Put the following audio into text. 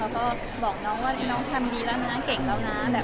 แล้วก็บอกน้องว่าน้องทำดีแล้วนะเก่งแล้วนะ